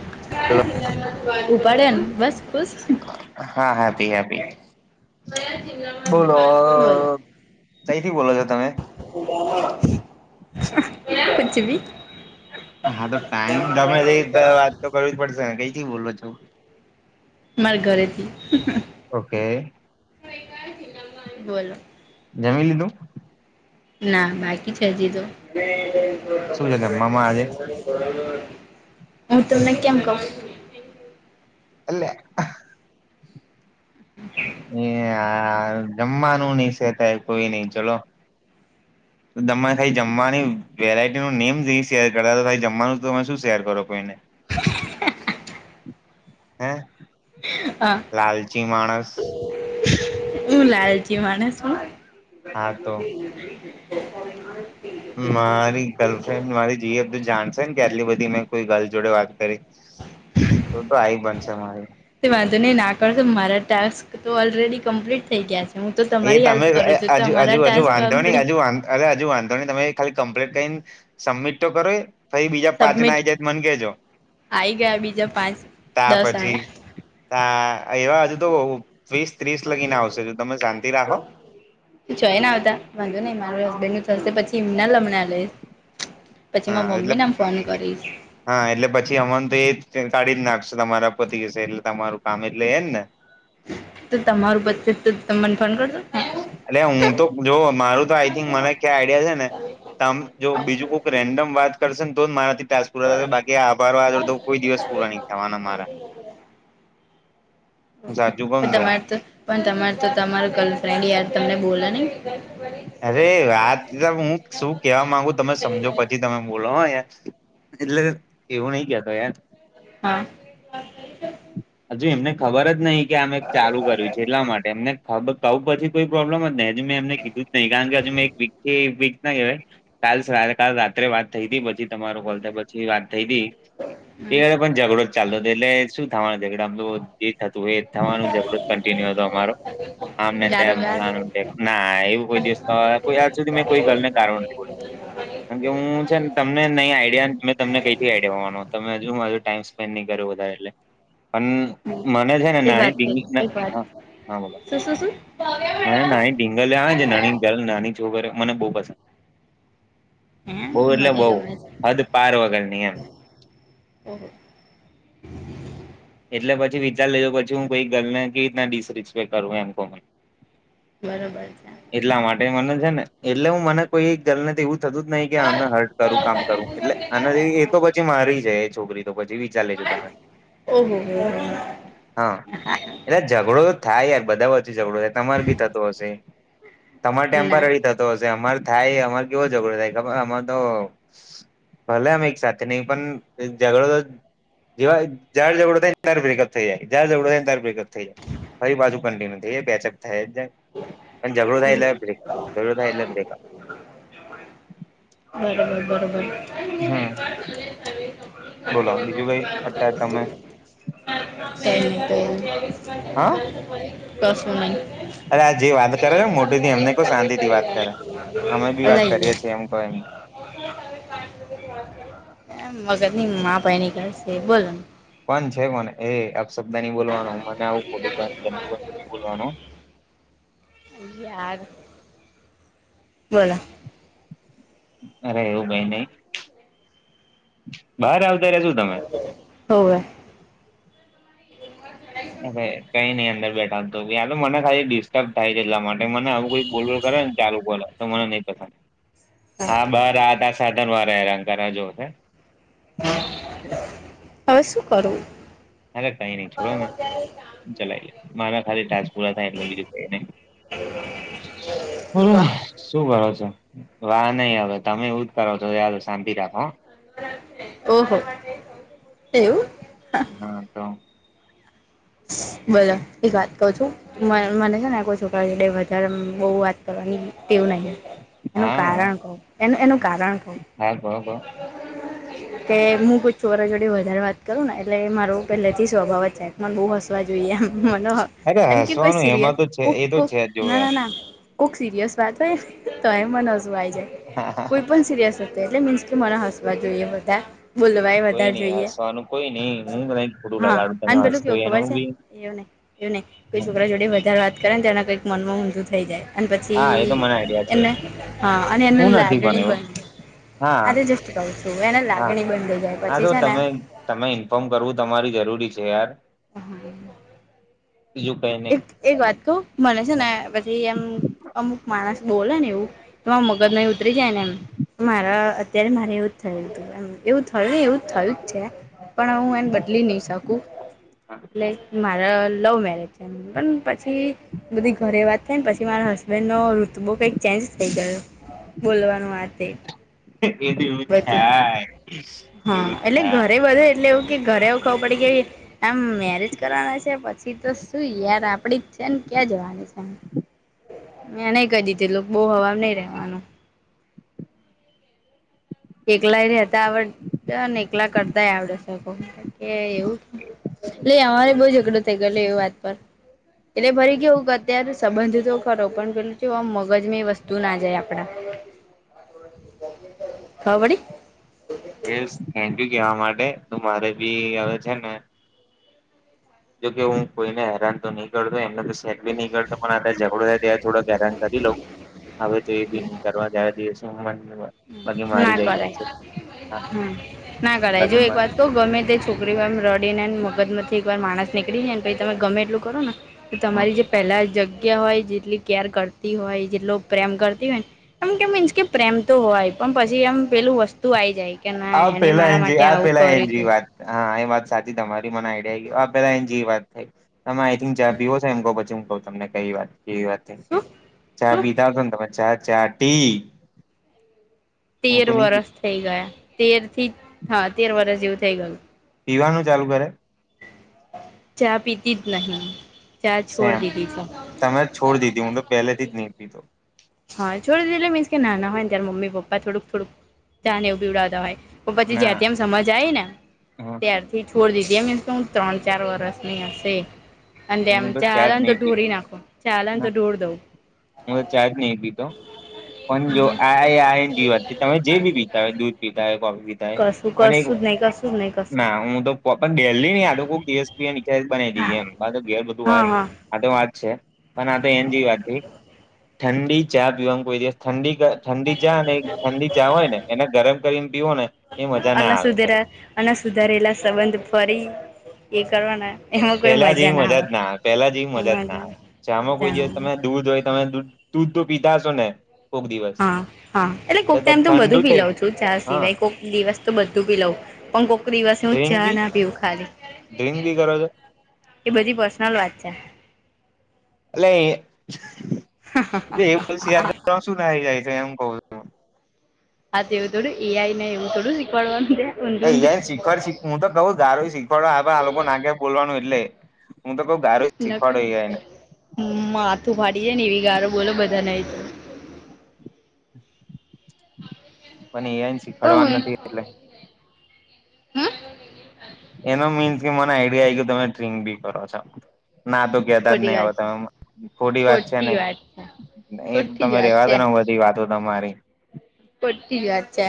[inaudible] ઉપાડ્યો ને બસ. ખુશ હા હેપી હેપી. બોલો બોલો કહીથી બોલો છો તમે? કુછ ભી. હા તો ટાઈમ ગમે તેવી તો વાત તો કરવી જ પડશે ને કઈથી બોલો છો? મારા ઘરેથી. ઓકે બોલો. જમી લીધું? ના બાકી છે હજી તો શું છે જમવામાં આજે [inaudible] હું તમને કેમ કહું? અલેે. એ જમવાનું નહી સેતા કોઈ નહીં ચલો. [inaudible] તમે ખઈ જમવાની વેરાઈટીનું નેમ જે શેર કરતા તો જમવાનું તમે શું શેર કરો કોઈને? [inaudible] હે હા લાલચી માણસ. હું લાલચી માણસ હું [inaudible] હા તો મારી ગર્લફ્રેન્ડ મારી જીએફ જાણશે ને કે આટલી બધી મેં કોઈ ગર્લ જોડે વાત કરી. તો તો આઈ બનશે મારી તે વાંધો નહી ના કરો તો મારા ટાસ્ક. એ તો ઓલરેડી કમ્પ્લીટ થઈ ગયા છે. હું તો એ તમારી તમે હેલ્પ કરું છું હજુ હજુ તમારા હજુ ટાસ્ક વાંધો નહી કમ્પ્લીટ હજુ અરે હજુ વાંધો નહી તમે. ખાલી કમ્પ્લેટ કઈને સબમિટ તો કરો એ. ફરી બીજા પાંચ ના સબમિટ આઈ જાય તો મન કેજો આવી ગયા બીજા પાંચ તા દસ પછી. આયા હા એવા હજુ તો વીસ ત્રીસ લગીને આવશે જો તમે શાંત. ચોયને આવતા વાંધો નઈ મારું હસબેન્ડ નું થશે પછી એમના લમણા લઈશ. પછી હા મારા એટલે મમ્મી ને ફોન કરીશ હા એટલે પછી અમન તો એ કાઢી જ નાખશું તમારા પતિ જસે એટલે તમારું કામ એટલે એમને. તો તમારું બચેત તો તમે મને ફોન કરજો. એટલે હું તો જો મારું તો આઈથિંક મને ક્યા આઈડિયા છે ને તમ જો બીજું કોક રેન્ડમ વાત કરશે ને તો જ મારાથી ટાસ્ક પુરા થશે પણ બાકી આભાર વાળા તો કોઈ દિવસ પૂરા નહીં થવાના મારા. હું સાચું કઉ પણ ને તમારે તો પણ તમારે તો તમાર ગલફ્રેન્ડ યાર. તમને બોલે નહી? અરે વાત હું શું કેવા માંગુ તમે સમજો પછી તમે બોલો હ યાર. એટલે એવું નહી કેતો એમ. હા પાંચ મિનિટ વાત કરી શકું. હજુ એમને ખબર જ નહી કે આ મેં ચાલુ કર્યું છે એટલા માટે એમને ખ કઉં પછી કોઈ પ્રોબ્લમ જ નહીં. હજી મેં એમને કીધું જ નહી કારણ કે હજુ મે એક વીકથી વીક ન કેવાય કાલ સવા કાલ રાત્રે વાત થઈતી પછી તમારો કોલ થ પછી વાત થઈતી હમ એ પણ ઝઘડો જ ચાલતો તો એટલે શું થાવાનું. ઝઘડામાં તો જે થતું હો એ જ થાવાનું ઝઘડો જ કંટીન્યુ હતો અમારો આમ ને તેમ ગારોગાર ફલાણું ને ના એવું કોઈ દિવસ તો કોઈ આજ સુધી મેં કોઈ ગલ ને ગાળો નથી બોલી કારણ કે હું છે ને તમને નય આઈડિયા મેં તમને કઈ થી આડિયા હોવાનો તમે હજુ માર જોડે ટાઈમ સ્પેન્ડ નઈ કઇરુ વધારે એટલે. પણ હમ મને છે ને એક નાની વાત કે એક [unintelligible] વાત હા-હા બોલો શું શું શું મને નાની ઢીંગલીઓ આવે ને નાની જલ નાની છોકરીઓ મને બો પસંદ. હે બઉ એટલે મને બઉ ગમે હદ પાર વગર ની એમ. ઓહ. [inaudible] એટલે પછી વિચાર લેજો પછી હું કઈ ગલને કેવી રીતના ડિસ રિસ્પેક્ટ કરું એમ કો મને. બરોબર છે એટલા માટે મને છે ને એટલે હું મને કોઈ એક ગલને તેવું થતું જ નહી કે આને હર્ટ કરું કામ કરું એટલે આને જેવી એ તો પછી મારી છે એ છોકરી તો પછી વિચાર લેજો. જો તમે ઓહો હો હો હા એટલે ઝઘડો થાય યાર બધા વચ્ચે ઝગડો થાય તમારે બી થતો હશે, તમાર ના ટેમ્પરરી થતો હશે અમાર થાય અમાર કેવો ઝઘડો થાય ખબર અમાર તો ભલે અમે એક સાથે નય પણ ઝઘડો તો જોય. જયારે જઝડો થાય ત્યારે ભેગા થઇ જાય. જયારે જઝડો થાય ત્યારે ભેગા થઇ. પહી પાછું કંટીન્યુ એ પેચપ. થય જાય. પણ ઝઘડો થાય એટલે બ્રેક ઝઘડો થાય એટલે બ્રેક અપ. બરોબર-બરોબર. [unintelligible] ગાંધીનગર હમ થી વાત બોલો બીજું કરું કઈ અત્યારે છુ. તમે કંઈ ની કંઈ હા ની. કશું નઈ. [unintelligible] અરે આ જે વાત કરે ને મોટેથી એમને કો શાંતિથી વાત કરે અમે બી વાત કરીએ છીએ એમ કો એમને એમ મગજની માપ [unintelligible] કશે બોલો. શબ્દ ની બોલવાનું મને આવું ખોટું કે ગંદું-ગંદું ની બોલવાનું. યાર બોલો. અરે એવું કય નઈ બાર આવતા રિયા સુ તમે તમે. હોવે. અરે કઈ નય અંદર બેઠા અમે તો એમય મને ખાલી ડિસ્ટર્બ થાય છે એટલા માટે મને આવું કોઈ બોલ-બોલ કરે ને ચાલુ ફોને તો મને નઈ પસંદ. હા આ બાર આટા સાધન વારા હેરાન કરે જોને. [inaudible] હવે શું કરું? અરે કઈ નઈ છોડોને, ચલાઈ લિયે મારે ખાલી ટાસ પૂરા થાય એટલે બીજું કય નઈ વાહ શું કરો છો? વા નય આવે તમે એવું જ કરો છો [unintelligible] સાાંતી રાખો હ. [unintelligible] ઓહો, [unintelligible] એવું? હા તો. [unintelligible] બોલો એક વાત કવ છું મય મને છે ને કોઈ છોકરો એક બે વધારે અમ બઉ વાત કર એવી ટેવ નય હે. એનું હા કારણ કંવ એનું-એનું કારણ કંવ હા કહો કહો [unintelligible] કે હું કોઈ છોકરો જોડે વધારે વાત કરું ને એટલે મારો પહેલેથી સ્વભાવ જ છે મન બો હસવા જોઈએ એમ મનોહ અરે એમ ક કોઈ હસવાનું સિરયલ એમાં તો છે એ તો કુક-કુક છે જ જો યાર ના-ના-ના કોક સિરિયસ વાત, [unintelligible] તો એમ મન હસું આય જાય કોઈ પણ સિરિયસ એટલે મીન્સ કે મન હસવા જોઈએ બધા. કોઈ નઈ હસવાનું કોઈ નઈ હું નય ખોટું લગાડું તમે હસ. જો ખબર છે એવું નય એવું નય કોઈ છોકરા જોડે વધારે વાત કરે ને તો એના કઈક મનમાં ઊંંધું થઈ જાય અન પછી હા એ તો મને આઈડિયા છે એમને હા અને એને લાગણી બંન. બંધ થઈ જાય હા-હા-હા પછી તો છે ને તમે-તમે ઇન્ફોર્મ કરવું તમારી જરૂરી છે યાર. હા. બીજું કઈ નઈ એક-એક વાત કંવ મને છે ને પછી એમ અમુક માણસ બોલે ને એવું તો મગજને ઉતરી જાય ને એમ મારા. અત્યારે મારે એવું જ થયું તું, એવું થયું ને એવું થયું જ છે. પણ હું એને બદલી નહી શકું એટલે મારા લવ મેરેજ. પણ પછી બધી ઘરે વાત થઈ ને પછી મારા હસબેન્ડ નો ઋતબો કઈક ચેન્જ થઈ ગયો. બોલવાનું, આ તે. એું એવું જ બધી થાય હા, એવું જ એટલે થાય ઘરે બધે એટલે. કે ઘરે એવું ખબર પડી ગઈ આમ મેરેજ કરવાના છે પછી તો શું યાર આપડી જ છે ને. ક્યાં જવાનું છે. મેં નહી કહી દીધી એ બહૂ હવામાં નહિ રેવાનું. એકલાય રહેતા આવડ, એકલા કરતાય આવડે. એવું અમારે બહ ઝઘડો થઈ ગેલો એ વાત પર એટલે ભરી કેવું કે અત્યારે સંબંધ તો ખરો પણ પેલું આમ મગજ વસ્તુ ના જાય આપડા [unintelligible] [inaudible] ખબર પડી થેક યુ કેવા માટે, મારે ભી હવે છે ને જોકે હું કોઈને હેરાન તો નહી કરતો એમને ક બી નહી કરતો પણ આ ઝઘડો થાય ત્યારે થોડો હેરાન કરી લઉ, હવે જો એ બી નહી કરવા જ દિવ ના કરાય, હા હ ના કરાય જો એક વાત બાકી તો ગમે તે છો છોકરીમા રડી ને મગજ માંથી એક વાર માણસ નીકળી જાય ને પછી તમે એટલું કરો ને તો હા તમારી જે પહેલા જ હોય, જેટલી કેર કરતી હોય, જેટલો પ્રેમ કરતી હોયને એમ કે મીન્સકે પ્રેમ તો હોય પણ પછી એમ પેલું વસ્તુ આઈ જાય. કે ના આ એને પેલા મારા એ માટે આ આવું પેલા એ કર્યું જે તું વાત હા એ વાત. સાચી તમારી મને આઈડિયા ગયો પેલા એ જેવી વાત થઈ તમે આઈ થિક ચા પિલો છો એમ‌ કવ પછી. તમને કઈ વાત કેવી વાત, શું ચા શું પિધા ને તમે ચા. ચા ટી. હું તેર તો નહી વરસ થઈ ગયા તેર થી, હા તેર વરસ જેવું થઈ ગયું. પીવાનું ચાલુ કરે. ચા પીતી જ નહી. સેમ તમે છોડ દીધી, હું તો પહેલેથી જ નહી પીતો‌. હા છોડી દિધી મીન્સ કે નાના હોય ત્યારે મમ્મી પપ્પા થોડુંક થોડુક ચા એવું પીવડાવતા હોય. તો પછી ના જ્યાંથી એમ સમજ આઇ ને ત્યારથી છોડી, દીધી એમીન્સ તો હ ત્રણ ચાર વરસની હશે અને હુ, એમ તો ચા ચાલે જ ને તો નહી. પિ, ઢોરી નાખો ચાલે ને તો ઢોર દઉં હું તો ચા જ નહી પણ જો આ આ વાત તમે જે બી પીતા હોય દૂધ પીતા હોય, કોફી પીતા કશું એક કશું જ નહી કશું જ નહી કશું જ ના નહી હુ, તો ગેલી ન દોસ નીચ બના દઈ હા એમ, ઘેર બધું હા વાત હા આ તો વાત છે, પણ આ તો એન જેવી વાત થઈ. ઠડી ચા પીવાનું, કોઈ દિવસ ઠંડી ઠડી ચા ને ઠડી ચા હોય, ને એને ગરમ કરીને પીવો ને એ મજા ના અને આવે ખરી સુધરા અને સુધારેલા સંબંધ ફરી, એ કરવાના પેલા જેવી, મજા જ ના આવે, પેલા જેવી મજા જ ના આવે, ચા માં કોઈ ના દિવસ આવે તમે દૂધ હોય, તમે દૂધ તું તો પીતા હશો ને? કોક દિવસ હા, હા એટલે કોઈક તે ટાઈમ તો ઠંડુ બધું પી થઈ લઉં છુ, ચા હા સિવાય કોઈક દિવસ તો બધું પી લઉ. પણ કોક, દિવસે ડ્રિંક ચા બી ના પીવ ખાલી ડ્રિંક ભી કરો છો? ચા એ એમાં શેર, [inaudible] જાય છે. જ એમ કવ છૂ અતવ, થોડુ એ આઈ ને એવું થોડું શીખવાડવાનુ અ શીખવાડ હુ, તો કઉ ગારુ શીખવાડો, આ લોકોને ગ્યા, બોલવાનું એટલે હું તો કઉ ગારો શીખવાડો એઆઈને મ્ હથુ ફાડી જાય, ને એવી ગારો બોલો બધા ન પણ એ શીખાડવાનું નથી, એટલે હમ્મ એનો મીન્સ, કે મને આઈડિયા આ કે તમે ટ્રીક બી કરો છો. ના તો કહેતા જ ખોટી નહી વાત હવે, છે તમે થોડી વાત છે, ખોટી નહી. વાત છે એ ખોટી તમે જ વાત રેવા દો બધી વાતો, તમારી પતી જ વાત છે,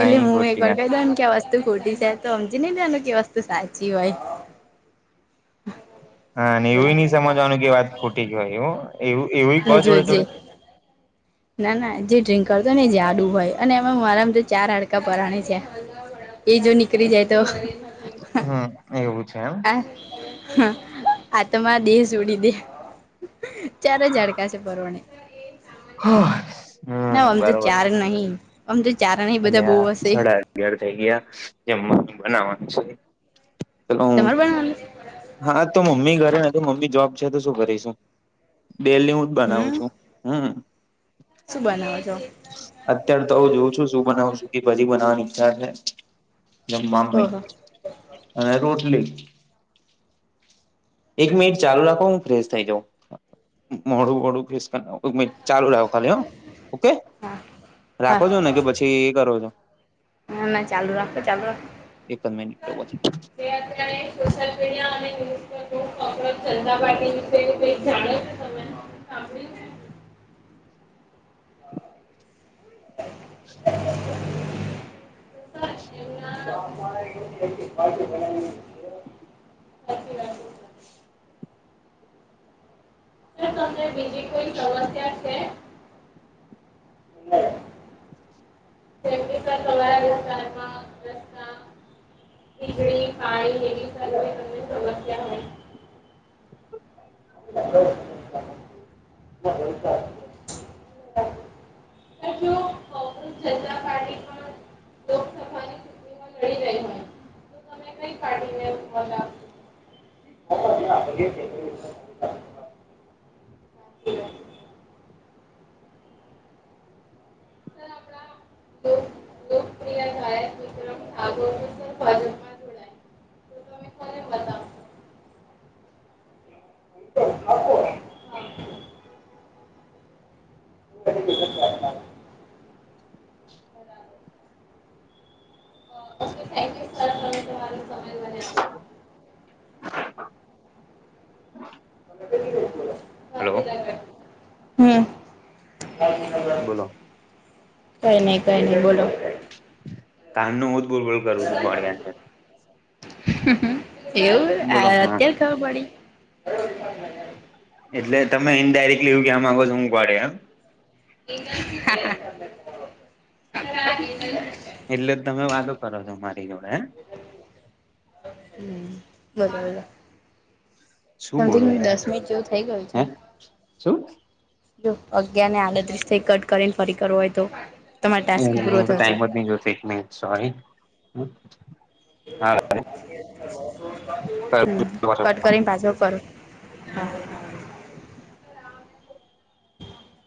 એટલે નહી હુ એક ખોટી વાર વાત કહી દઉને ક્યાં વસ્તુ ખોટી છે, તો સમજી નહ એનું કે વસ્તુ સાચી હોય. હા, બોલો એવું નહ સમજવાનું કે વાત ખોટી જ હોય એવુ હજજ, ના ના જે ડ્રિંક કરતો નને જે આડુ હોય. અને એમાં મારામ, તો ચાર હાડકા પરરાણી છે. એ જો નીકળી જાય, તો હમ એવું છે એમ હ, આ તમા મા દે જો જોડી દે ચારે, જ હાડકાશે, પરવણે ના, હમ આમ તો ચાર નહી આમ તો ચાર નહી અને બધા બહુ આ હશે સાડા અગિયાર થઈ, ગયા. જેમ બનાવાનું છે. ચલો તમારે બનાવાનું છે? હા, તો મમ્મી ઘરે નથી મમ્મી જોબ છે. તો શું કરીશુ બેલી હુ જ બનાવું હમ છુ, હમ્મ શું બનાવો છો અત્ય્યારે, તો હુ જોવં છુ. બધી, બનાવાની ઈચ્છા છે. જેમ મામી ઓહો અને રોટલી એક મિનિટ ચાલુ રાખો હુ ફ્રેશ થઇ, જાઉ મોડુ, મોડુ ફ્રેશ બનાવુ ચાલુ રાો ખાલી હ, ઓકે હા હા રાખો છો ને કે પછી કરો છો. ના ના ચાલુ રાખો, ચાલુ રાખો એક જ મિનિટ તો પછી તે અત્યારે સોશિયલ મીડિયા અને ચંદાપાટી વિશે કઈ, જાણ તય સાંભળી બ તમને, બીજી કોઈ સમસ્યા છે. સરા, વિસ્તારમાં રસ્તા ખીજડી, પાણી એ તમને સમસ્યા હોય. [inaudible] [inaudible] લોકસભા ની એવા લડાઈ લડવા [inaudible] [inaudible] પેલા ધાયક વિક્રમ ઠાગોર ભાજપમાં જોડાયા. તમે કોને વોટ આપશો. [inaudible] [inaudible] [inaudible] ઓકે થેક યુ સર તમે તમારો સમય મને આપયો. હલો હમમ. બોલો કઈ નહી કઈ નહી બોલો. કાર નો હું જ બૂલબોલ કરું છું ગોડીયા ની જેમ એવું બોલો અત્યારે હા ખબર પડી. એટલે તમે ઇન્ડાયરેક્ટલી એવું કહેવા માંગો છો કે હું ગોડી એમ [inaudible] એટલે તમે વાતો કરો છો મારી જોડે હે હમમ [unintelligible] શું સમથિંગ બોલો યાર દસ મિનિટ જેવું થઇ ગયું હે છે. શું જો અગિયાર ને આડત્રીસે કટ કરીને ફરી કરવું હોય તો તમારો એ ટાસ્ક હ તો પૂરો થશે ટાઈમ જ ની જોતો એક મિનિટ સોરી હમમ હમમ કટ કરીને પાછો કર. [inaudible]